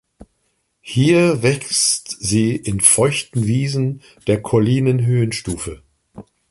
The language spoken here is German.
Hier wächst sie in feuchten Wiesen der collinen Höhenstufe.